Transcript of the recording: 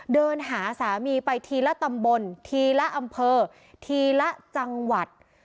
เดินหาสามีไปทีละตำบลทีละอำเภอทีละจังหวัด